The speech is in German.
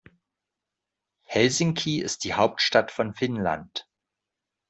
Helsinki ist die Hauptstadt von Finnland.